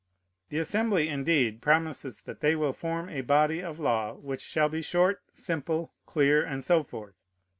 The Assembly, indeed, promises that they will form a body of law, which shall be short, simple, clear, and so forth.